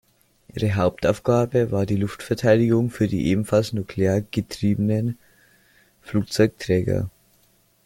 Ihre Hauptaufgabe war die Luftverteidigung für die ebenfalls nuklear getriebenen Flugzeugträger.